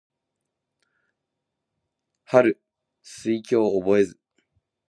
春眠暁を覚えず